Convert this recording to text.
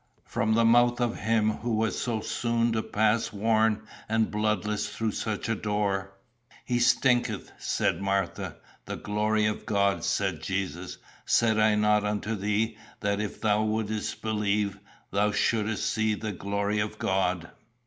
from the mouth of him who was so soon to pass worn and bloodless through such a door! 'He stinketh,' said Martha. 'The glory of God,' said Jesus. 'Said I not unto thee, that, if thou wouldest believe, thou shouldest see the glory of God?